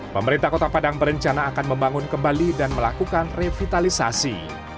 pemerintah kota padang berencana akan membangun kembali dan melakukan revitalisasi